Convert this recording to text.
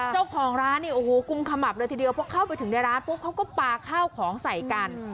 เจ้าของร้านกุมขมับเลยทีเดียวเพราะเข้าไปถึงร้านพบเขาก็ปาข้าวของใส่กัน